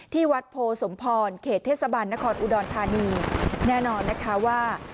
ที่วัดโพสมพรเขตเทศบาลนครอุดรธานีแน่นอนนะคะว่า